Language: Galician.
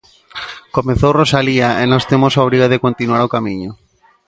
Comezou Rosalía e nós temos obriga de continuar o camiño.